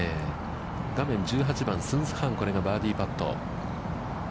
画面１８番、スンス・ハン、これがバーディーパット。